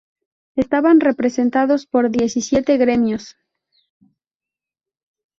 Estaban representados por diecisiete gremios.